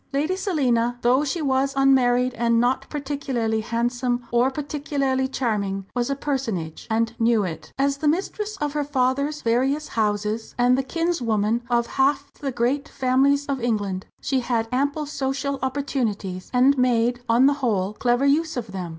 Lady Selina, though she was unmarried, and not particularly handsome or particularly charming, was a personage and knew it. As the mistress of her father's various fine houses, and the kinswoman of half the great families of England, she had ample social opportunities, and made, on the whole, clever use of them.